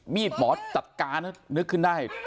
มีดหมอจัดการนึกขึ้นได้